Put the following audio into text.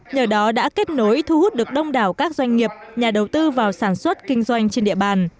nhờ đó đã kết nối thu hút được đông đảo các doanh nghiệp nhà đầu tư vào sản xuất kinh doanh trên địa bàn